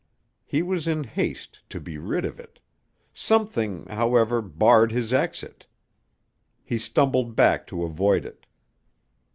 He was in haste to be rid of it. Something, however, barred his exit. He stumbled back to avoid it.